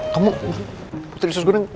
kamu putri sus goreng